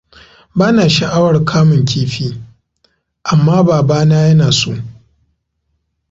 Bana sha'awar kamun kifi, amma babana yana so.